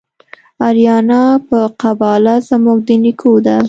آریانا په قباله زموږ د نیکو ده